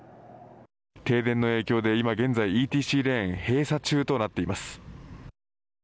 停電の影響で今現在ＥＴＣレーンが閉鎖中となっています。